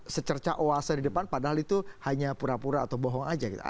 secerca oasa di depan padahal itu hanya pura pura atau bohong aja gitu